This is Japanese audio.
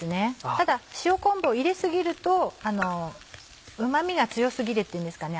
ただ塩昆布を入れ過ぎるとうま味が強過ぎるっていうんですかね